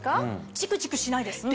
チクチクしないです。